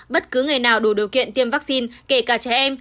bất cứ người nào đủ điều kiện tiêm vaccine kể cả trẻ em